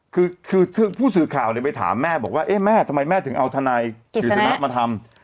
คือคือผู้สื่อข่าวไปถามแม่บอกว่าเอ๊ะแม่ทำไมแม่ถึงเอาทนายกฤษณะมาทำ